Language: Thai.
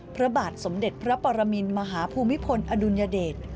พระบาทสมเด็จพระปรมินมหาภูมิพลอดุลยเดช